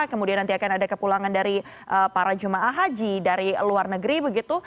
kemudian nanti akan ada kepulangan dari para jemaah haji dari luar negeri begitu